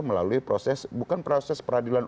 melalui proses bukan proses peradilan